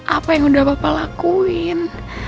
apa yang udah bapak lakuin